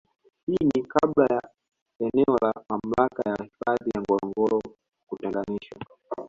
Hii ni Kabla ya eneo la mamlaka ya hifadhi ya Ngorongoro kutenganishwa